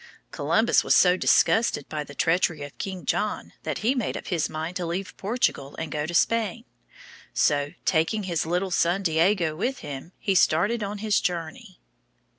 Columbus was so disgusted by the treachery of King John that he made up his mind to leave Portugal and go to Spain. So, taking his little son, Diego, with him, he started on his journey.